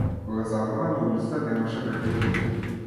Кога заврна на улиците немаше веќе луѓе.